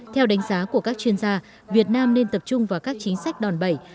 theo đánh giá của các chuyên gia việt nam nên tập trung vào các chính sách đòn bẩy